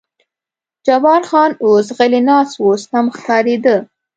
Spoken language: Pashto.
جبار خان اوس غلی ناست و، سم ښکارېده.